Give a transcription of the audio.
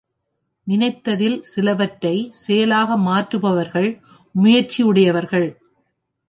நினைத்ததில் சிலவற்றைச் செயலாக மாற்றுபவர்கள் முயற்சி உடையவர்கள்.